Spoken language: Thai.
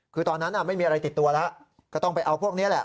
คือตอนนั้นไม่มีอะไรติดตัวแล้วก็ต้องไปเอาพวกนี้แหละ